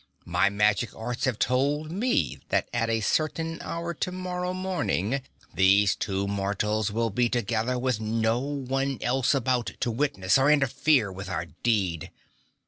My magic arts have told me that at a certain hour tomorrow morning these two mortals will be together with no one else about to witness or interfere with our deed.